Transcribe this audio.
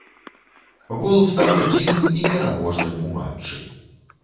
Гол стаў адзіным і пераможным у матчы.